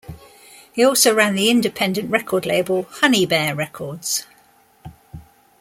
He also ran the independent record label Honey Bear Records.